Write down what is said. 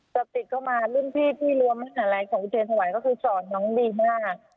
สอบติดเข้ามารุ่นพี่ที่รัวมหาลัยของอุเตศวัยก็คือสอนน้องดีมาก